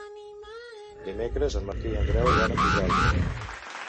Dimecres en Martí i en Grau iran a Pujalt.